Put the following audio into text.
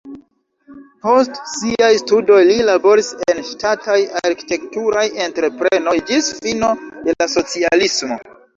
Post siaj studoj li laboris en ŝtataj arkitekturaj entreprenoj ĝis fino de la socialismo.